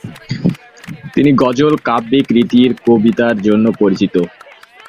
তিনি গজল -কাব্যিক রীতির কবিতার জন্য পরিচিত।